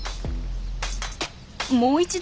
もう一度。